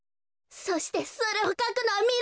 そしてそれをかくのはみろりん！